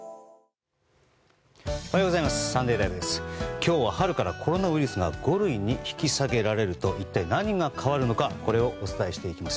今日は春からコロナウイルスが五類に引き下げられると一体何が変わるのかこれをお伝えしていきます。